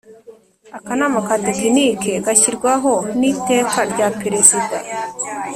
Akanama ka Tekinike gashyirwaho n Iteka rya Perezida